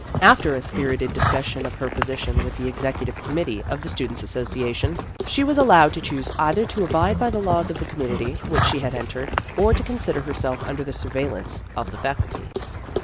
After a spirited dis cussion of her position with the executive committee of the Students' Association, she was allowed to choose either to abide by the laws of the community which she had entered, or to consider herself under the surveillance of the Faculty.